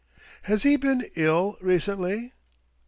" Has he been ill recently